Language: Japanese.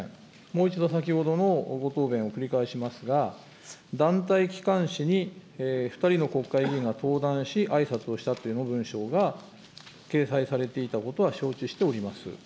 もう一度先ほどのご答弁を繰り返しますが、団体機関誌に、２人の国会議員が登壇し、あいさつをしたという文章が掲載されていたことは、承知しております。